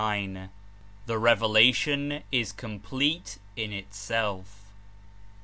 174 THE REVELATION IS COMPLETE IN ITSELF.